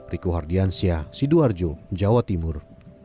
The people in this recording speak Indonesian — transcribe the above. riko hardiansyah sidoarjo jawa timur